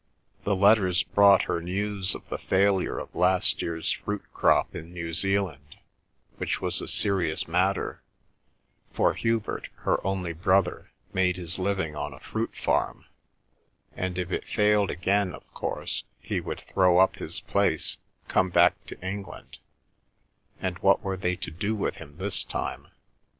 The letters brought her news of the failure of last year's fruit crop in New Zealand, which was a serious matter, for Hubert, her only brother, made his living on a fruit farm, and if it failed again, of course, he would throw up his place, come back to England, and what were they to do with him this time?